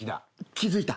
気付いた？